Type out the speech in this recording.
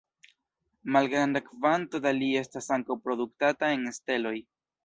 Malgranda kvanto da Li estas ankaŭ produktata en steloj.